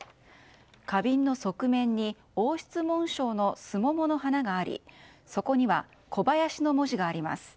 花瓶の側面に王室紋章のスモモの花があり底には「小林」の文字があります。